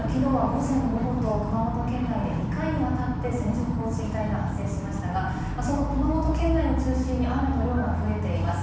きのうは午前、午後と熊本県内で２回にわたって線状降水帯が発生しましたが、その熊本県内を中心に雨の量が増えています。